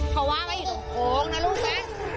เพราะว่าเธออยู่ตรงโค้งนะลูกคะ